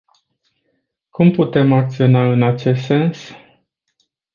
Cum putem acționa în acest sens?